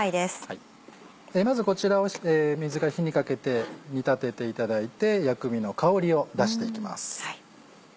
まずこちらを水から火にかけて煮立てていただいて薬味の香りを出していきます。